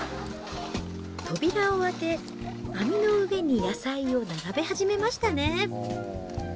扉を開け、網の上に野菜を並べ始めましたね。